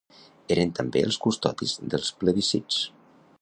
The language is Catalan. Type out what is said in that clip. Eren també els custodis dels plebiscits.